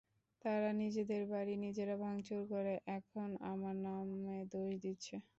তারা নিজেদের বাড়ি নিজেরা ভাঙচুর করে এখন আমার নামে দোষ দিচ্ছে।